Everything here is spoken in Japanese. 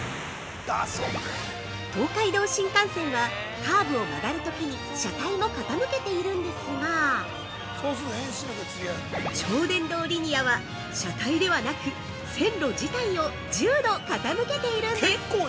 海道新幹線はカーブを曲がるときに車体も傾けているですが超電導リニアは、車体ではなく線路自体を１０度傾けているんです。